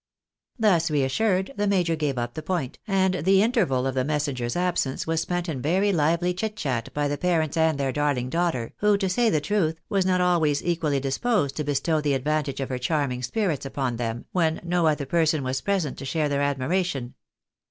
Thus reassured, the major gave up the point, and the interval of the messenger's absence was spent in very lively chit chat by the parents and their darling daughter, who, to say truth, was not always equally disposed to bestow the advantage of her charming . spirits upon them, when no other person was present to share their admiration.